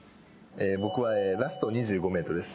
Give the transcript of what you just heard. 僕はラスト２５ｍです。